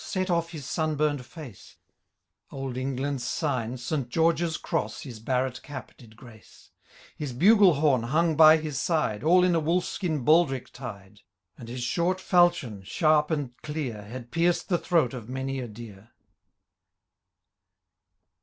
Set off his gim bum^d &ce : Old England's sign, St. G^eorge's cross. His barret cap did grace ; His bugle horn hung by his side. All in a wolf skin baldric tied ; And his short fidchion, sharp and clear. Had pierced the throat of many a deer.